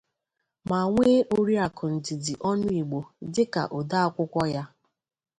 ma nwee Oriakụ Ndidi Onuigbo dịka odeakwụkwọ ya.